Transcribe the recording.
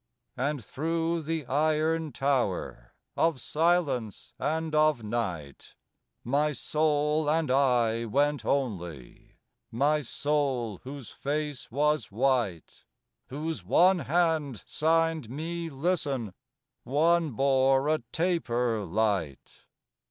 And through the iron tower Of silence and of night, My Soul and I went only, My Soul, whose face was white, Whose one hand signed me listen, One bore a taper light.